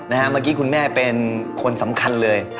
เมื่อกี้คุณแม่เป็นคนสำคัญเลย